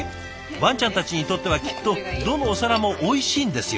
ワンちゃんたちにとってはきっとどのお皿もおいしいんですよ。